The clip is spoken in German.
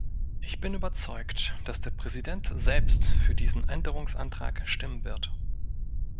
Ich bin überzeugt, dass der Präsident selbst für diesen Änderungsantrag stimmen wird.